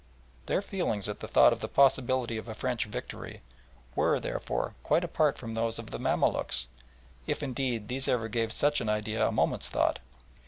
Their feelings at the thought of the possibility of a French victory were, therefore, quite apart from those of the Mamaluks, if, indeed, these ever gave such an idea a moment's thought.